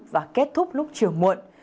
và kết thúc lúc trường muộn